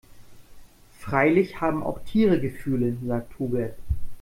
Freilich haben auch Tiere Gefühle, sagt Hubert.